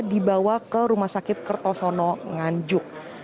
dibawa ke rumah sakit kertosono nganjuk